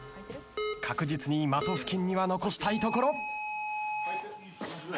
確実に的付近には残したいところ。